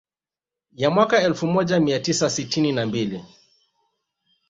Ya mwaka elfu moja mia tisa sitini na mbili